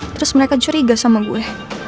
terus mereka curiga sama gue